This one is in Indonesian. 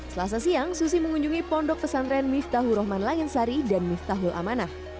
selasa siang susi mengunjungi pondok pesantren miftahul rahman langinsari dan miftahul amanah